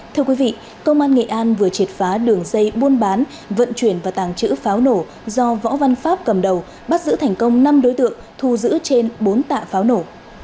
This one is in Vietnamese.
thưa quý vị công an nghệ an vừa triệt phá đường dây buôn bán vận chuyển và tàng trữ pháo nổ do võ văn pháp cầm đầu bắt giữ thành công năm đối tượng thu giữ trên bốn tạ pháo nổ